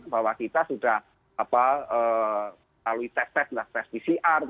bahwa kita sudah lalui tes tes pcr